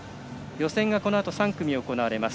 予選がこのあと３組行われます。